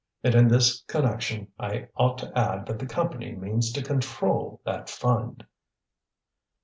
And in this connection I ought to add that the Company means to control that fund."